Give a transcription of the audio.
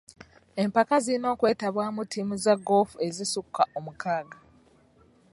Empaka zirina okwetabwamu ttiimu za goofu ezisukka omukaaga.